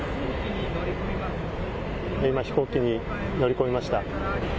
今、飛行機に乗り込みました。